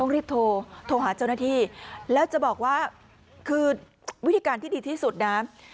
รีบโทรหาเจ้าหน้าที่แล้วจะบอกว่าคือวิธีการที่ดีที่สุดนะ